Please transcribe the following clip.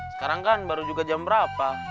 sekarang kan baru juga jam berapa